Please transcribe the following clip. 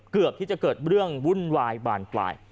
เกือบที่จะเกิดเรื่องวุ่นวายบานปลาย